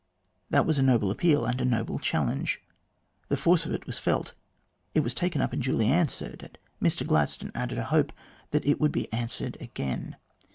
That was a noble appeal and a noble challenge. The force of it was felt. It was taken up and duly answered, and Mr Gladstone added a hope that it would be answered again.